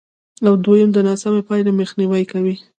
او دوېم د ناسمې پایلې مخنیوی کوي،